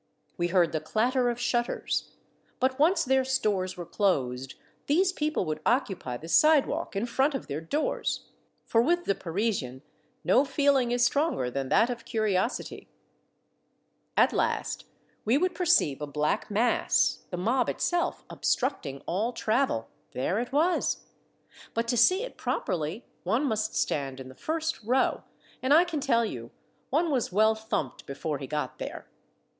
We heard the clatter of shutters, but once their stores were closed these people would occupy the side walk in front of their doors, for with the Parisian no feeling is stronger than that of curiosity. 224 Monday Tales, At last we would perceive a black mass, the mob itself, obstructing all travel. There it was ! But to see it properly one must stand in the first row; and I can tell you, one was well thumped before he got there.